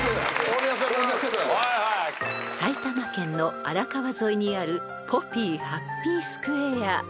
［埼玉県の荒川沿いにあるポピー・ハッピースクエア］